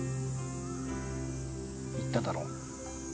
言っただろう。